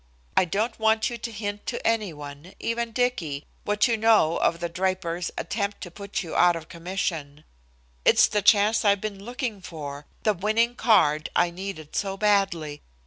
I don't want you to hint to anyone, even Dicky, what you know of the Draper's attempt to put you out of commission. It's the chance I've been looking for, the winning card I needed so badly.